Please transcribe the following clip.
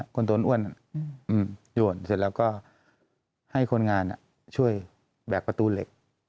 คนโดนอ้วนโยนเสร็จแล้วก็ให้คนงานช่วยแบกประตูเหล็ก